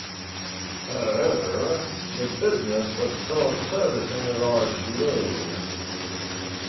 However, the business was still servicing a large loan.